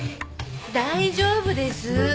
大丈夫です！